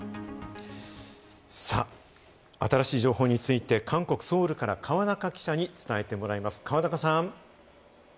新しい情報について韓国・ソウルから河中記者に伝えてもらいます、河中さん。